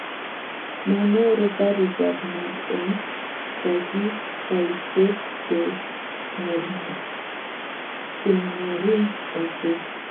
Manyoru karitab mat eng takikaishek chengering ochei